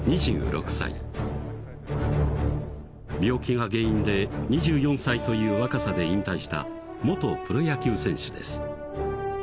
病気が原因で２４歳という若さで引退した元プロ野球選手です